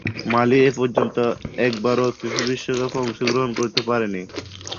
মালি এপর্যন্ত একবারও ফিফা বিশ্বকাপে অংশগ্রহণ করতে পারেনি।